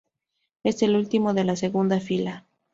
Es el último de la segunda fila.